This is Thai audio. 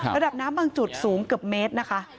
ระดับน้ำบางจุดสูงเกือบเมตรนะคะ